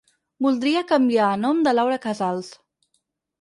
Voldria canviar a nom de Laura Casals.